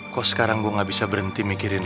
kok sekarang ibu gak bisa berhenti mikirin ibu